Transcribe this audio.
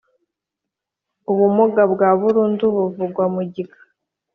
Ubumuga bwa burundu buvugwa mu gika